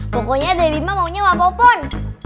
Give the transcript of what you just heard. pokoknya debi mah maunya apa pun